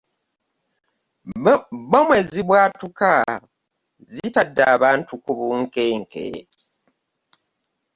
bbomu ezibwatuka zitadde abantu ku bunkenke.